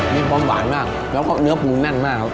มีความหวานมากแล้วก็เนื้อปูแน่นมากครับ